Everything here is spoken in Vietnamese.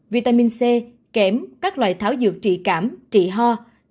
vitamin c kém các loại tháo dược trị cảm trị ho